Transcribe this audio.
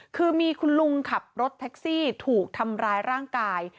คือมีคุณลุงขับรถแท็กซี่ถูกทำร้ายร่างกาย